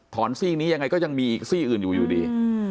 ซี่นี้ยังไงก็ยังมีอีกซี่อื่นอยู่อยู่ดี